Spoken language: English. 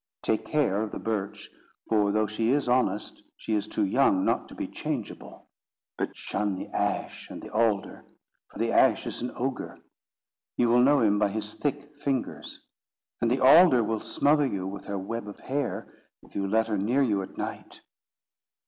Take care of the Birch, for though she is honest, she is too young not to be changeable. But shun the Ash and the Alder; for the Ash is an ogre,—you will know him by his thick fingers; and the Alder will smother you with her web of hair, if you let her near you at night."